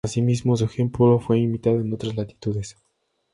Asimismo, su ejemplo fue imitado en otras latitudes.